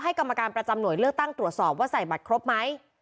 เหนื่อยเลือกตั้งตรวจสอบว่าใส่บัตรครบไหม